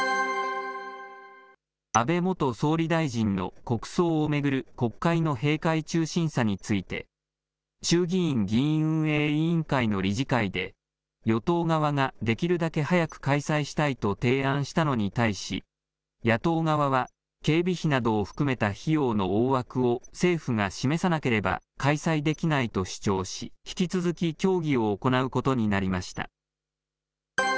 安倍元総理大臣の国葬を巡る国会の閉会中審査について、衆議院議院運営委員会の理事会で、与党側ができるだけ早く開催したいと提案したのに対し、野党側は、警備費などを含めた費用の大枠を政府が示さなければ開催できないと主張し、引き続き協議を行うことになりました。